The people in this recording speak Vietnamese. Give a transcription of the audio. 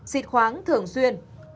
xịt khoáng thường xuyên